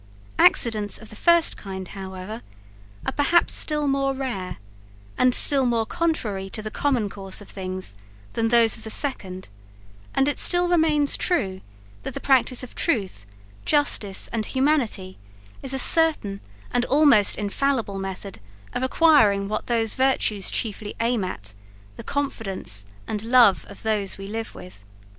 Accidents of the first kind, however, are perhaps still more rare, and still more contrary to the common course of things than those of the second; and it still remains true, that the practice of truth, justice and humanity, is a certain and almost infallible method of acquiring what those virtues chiefly aim at, the confidence and love of those we live with.